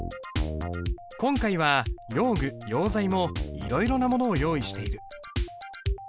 今回は用具用材もいろいろなものを用意している。